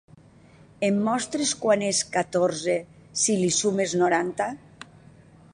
Em mostres quant és catorze si li sumes noranta?